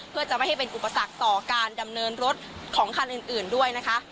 เพื่อจะไม่ให้เป็นอุปสรรคต่อการดำเนินรถของคันอื่นด้วยนะคะ